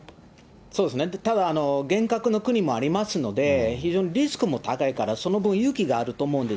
そうですね、ただ、厳格な国もありますので、非常にリスクも高いから、その分、勇気があると思うんです。